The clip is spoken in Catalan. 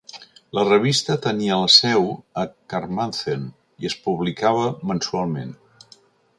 La revista tenia la seu a Carmarthen i es publicava mensualment.